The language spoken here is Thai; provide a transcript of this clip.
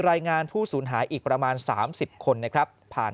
รายงานผู้สูญหายอีกประมาณ๓๐คนนะครับผ่าน